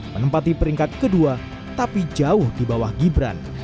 menempati peringkat kedua tapi jauh di bawah gibran